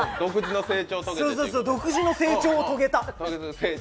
独自の成長を遂げた？